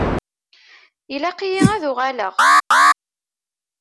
Ilaq-iyi ad uɣaleɣ.